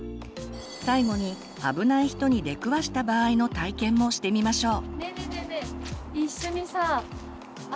最後にあぶない人に出くわした場合の体験もしてみましょう。